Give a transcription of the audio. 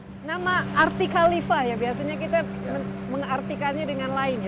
nah nama arti khalifa ya biasanya kita mengartikannya dengan lain ya